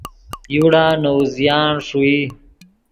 یوڑا نے اوزیان ݰوئی